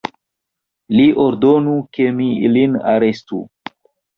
Li ordonu, ke mi ilin arestu!